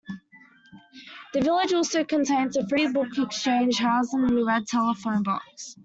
The village also contains a free Book Exchange housed in a red telephone box.